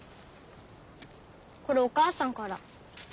これお母さんから。